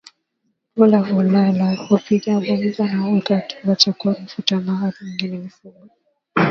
hula hulala hupiga gumzo na huweka akiba ya chakula mafuta na mali nyingine Mifugo